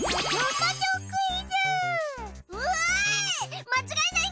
おい！